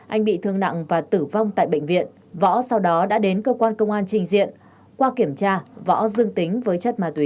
anh bị thương nặng và tử vong tại bệnh viện võ sau đó đã đến cơ quan công an trình diện qua kiểm tra võ dương tính với chất ma túy